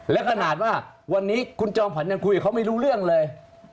และขนาดว่าวันนี้คุณจอมขวัญยังคุยกับเขาไม่รู้เรื่องเลย